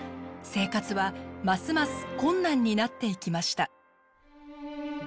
生活はますます困難になっていきました。